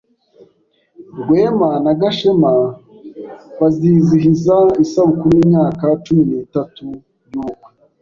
Rwema na Gashema bazizihiza isabukuru yimyaka cumi nitatu yubukwe.